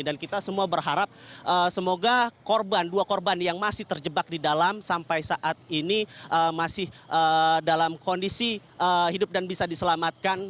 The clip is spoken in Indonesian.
dan kita semua berharap semoga korban dua korban yang masih terjebak di dalam sampai saat ini masih dalam kondisi hidup dan bisa diselamatkan